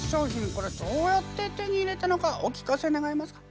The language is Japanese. これどうやって手に入れたのかお聞かせ願えますか。